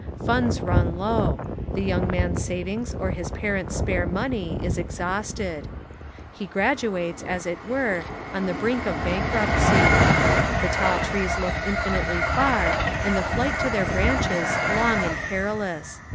Funds run low; the young man's savings or his parents' spare money is exhausted. He graduates, as it were, 172 The Lot of the Schoolmaster on the brink of bankruptcy. The tall trees look Infinitely far and the flight to their branches long and perilous.